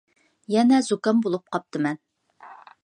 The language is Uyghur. يەنە زۇكام بولۇپ قاپتىمەن.